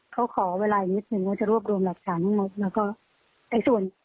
เขาขอเวลาอย่างนิดหนึ่งว่าจะรวบรวมหลักศึกษาทั้งหมดแล้วก็แต่ส่วน